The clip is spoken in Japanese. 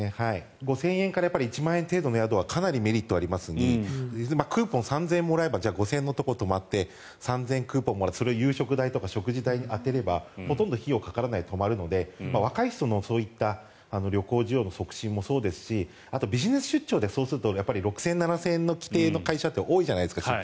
５０００円から１万円程度の宿はかなりメリットがありますのでクーポン３０００円もらえばじゃあ５０００円のところに泊まって３０００円のクーポンでそれを食事代とか食事代に充てればほとんど費用がかからないで泊まれるので若い人の旅行需要の促進もそうですしあとはビジネス出張で６０００円、７０００円の規定の会社って多いじゃないですか。